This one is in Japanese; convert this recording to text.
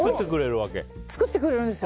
作ってくれるんです。